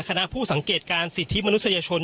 คณะผู้สังเกตการสิทธิมนุษยชน